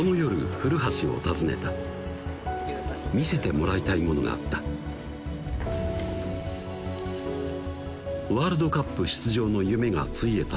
古橋を訪ねた見せてもらいたいものがあったワールドカップ出場の夢がついえた